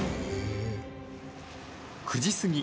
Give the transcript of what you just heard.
９時過ぎ。